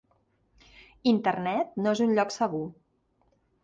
Internet no és un lloc segur.